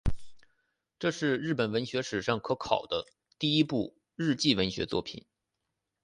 这是日本文学史上可考的第一部日记文学作品。